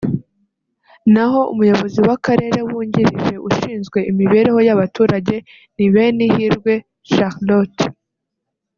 naho Umuyobozi w’Akarere wungirije ushinzwe Imibereho y’Abaturage ni Benihirwe Charlotte